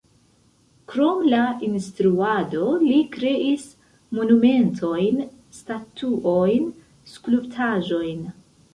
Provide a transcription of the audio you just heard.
Krom la instruado li kreis monumentojn, statuojn, skulptaĵojn.